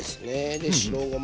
で白ごま。